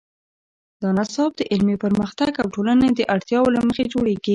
دا نصاب د علمي پرمختګ او ټولنې د اړتیاوو له مخې جوړیږي.